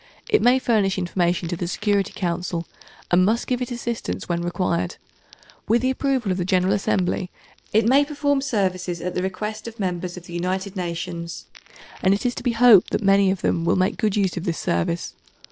It may furnish information to the Security Council, and must give it assistance when required. With the approval of the General Assembly, it may perform services at the request of members of the United Nations, and it is to be hoped that many of them will make good use of this service.